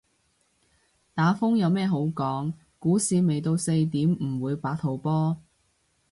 打風有咩好講，股市未到四點唔會八號波